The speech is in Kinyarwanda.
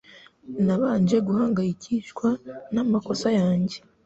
Nabanje guhangayikishwa namakosa yanjye.